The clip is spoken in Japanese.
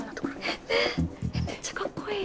えっめっちゃかっこいい。